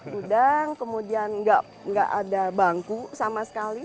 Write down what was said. gudang kemudian nggak ada bangku sama sekali